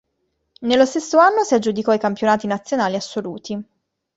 Nello stesso anno si aggiudicò i campionati nazionali assoluti.